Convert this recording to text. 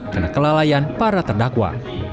karena kelalaian para terdakwa